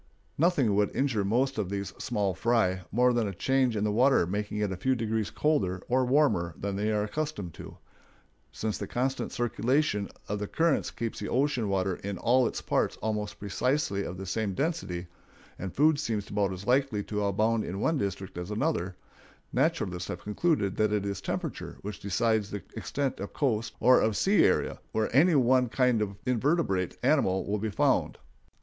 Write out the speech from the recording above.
Nothing would injure most of these "small fry" more than a change in the water making it a few degrees colder or warmer than they were accustomed to. Since the constant circulation of the currents keeps the ocean water in all its parts almost precisely of the same density, and food seems about as likely to abound in one district as another, naturalists have concluded that it is temperature which decides the extent of coast or of sea area where any one kind of invertebrate animal will be found.